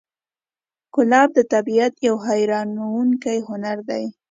ګلاب د طبیعت یو حیرانوونکی هنر دی.